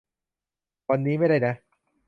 วันนี้ไม่ได้นะ